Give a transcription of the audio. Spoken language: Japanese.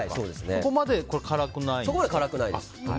そこまで辛くないんだ？